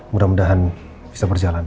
mudah mudahan bisa berjalan